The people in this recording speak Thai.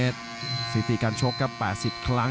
๔ตีการชกครับ๘๐ครั้ง